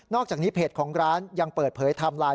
อกจากนี้เพจของร้านยังเปิดเผยไทม์ไลน์